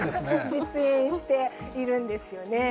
撮影しているんですよね。